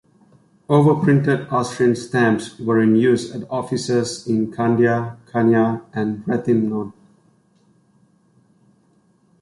Overprinted Austrian stamps were in use at offices in Kandia, Khania and Rethymnon.